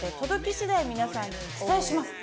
しだい皆さんにお伝えします。